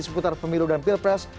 seputar pemilu dan pilpres